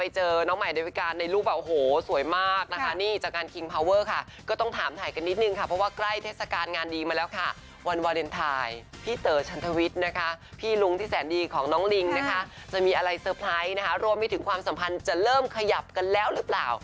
จะมีอะไรเซอร์ไพรส์รวมที่ถึงความสัมพันธ์จะเริ่มขยับกันแล้วหรือเปล่า